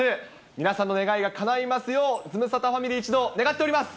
皆さんの願いがかないますよう、ズムサタファミリー一同、願っております。